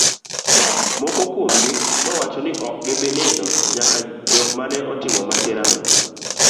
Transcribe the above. moko kuomgi nowacho ni ok gi bi nindo nyaka jok mane otimo masira no